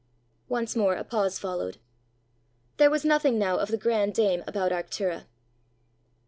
Once more a pause followed. There was nothing now of the grand dame about Arctura.